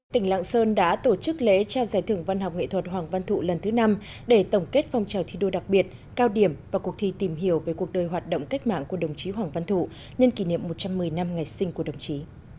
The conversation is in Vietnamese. tỉnh lạng sơn đã tổ chức lễ trao giải thưởng văn học nghệ thuật hoàng văn thụ lần thứ năm để tổng kết phong trào thi đua đặc biệt cao điểm và cuộc thi tìm hiểu về cuộc đời hoạt động cách mạng của đồng chí hoàng văn thụ nhân kỷ niệm một trăm một mươi năm ngày sinh của đồng chí